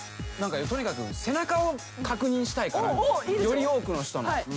とにかく背中を確認したいからより多くの人の。